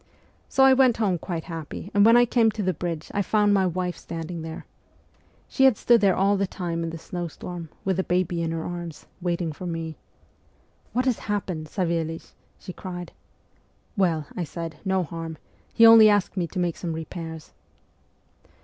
So I went home quite happy, and when I came to the bridge I found my wife standing there. She had stood there all the time in the snowstorm, with the baby in her arms, waiting for me. " What has happened, Savelich ?" she cried. " Well," I said, "no harm ; he only asked me to make some repairs."